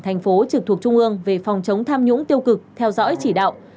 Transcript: thành phố trực thuộc trung ương về phòng chống tham nhũng tiêu cực theo dõi chỉ đạo